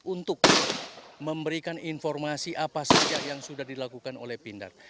untuk memberikan informasi apa saja yang sudah dilakukan oleh pindad